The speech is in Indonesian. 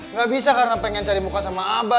nggak bisa karena pengen cari muka sama abah